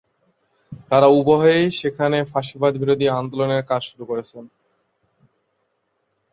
তাঁরা উভয়েই সেখানে ফ্যাসিবাদ বিরোধী আন্দোলনের কাজ শুরু করেছিলেন।